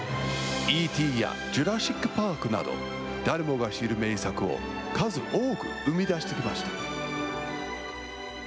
Ｅ．Ｔ．やジュラシック・パークなど、誰もが知る名作を数多く生み出してきました。